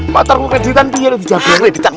matar gue kreditan punya lo di jambi yang kreditan